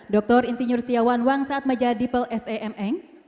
doktor insinyur setiawan wangsat majadipel semn